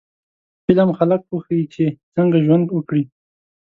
فلم خلک وښيي چې څنګه ښه ژوند وکړي